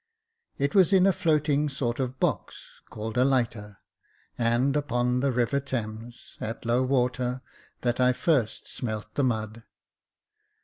It was in a floating sort of box, called a lighter, and upon the River Thames, at low water, that I first smelt the mud.